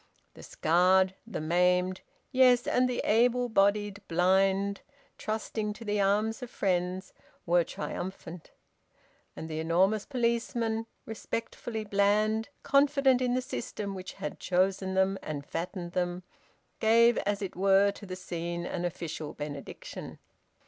The scared, the maimed, yes, and the able bodied blind trusting to the arms of friends, were triumphant. And the enormous policemen, respectfully bland, confident in the system which had chosen them and fattened them, gave as it were to the scene an official benediction.